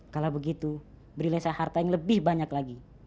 kalau begitu berilah saya harta yang lebih banyak lagi